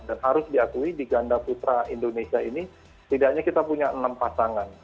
dan harus diakui di ganda putra indonesia ini tidak hanya kita punya enam pasangan